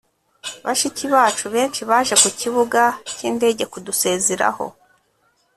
bashiki bacu benshi baje ku kibuga cy indege kudusezeraho